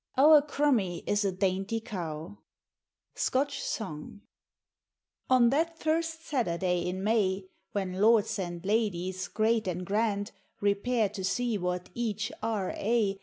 "Our Crummie is a dainty cow." Scotch Song. On that first Saturday in May, When Lords and Ladies, great and grand, Repair to see what each R.A.